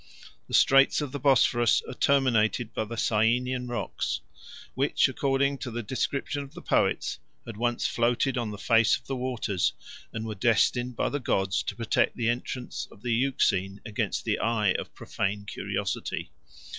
5 The straits of the Bosphorus are terminated by the Cyanean rocks, which, according to the description of the poets, had once floated on the face of the waters; and were destined by the gods to protect the entrance of the Euxine against the eye of profane curiosity.